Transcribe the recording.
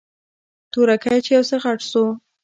تورکى چې يو څه غټ سو.